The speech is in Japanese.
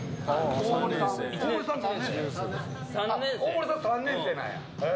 大森さん、３年生なんや。